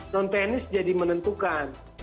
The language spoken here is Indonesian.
non teknis jadi menentukan